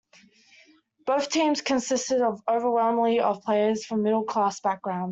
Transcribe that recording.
Both teams consisted overwhelmingly of players from middle class backgrounds.